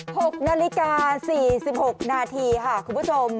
หกนาฬิกาสี่สิบหกนาทีค่ะคุณผู้ชม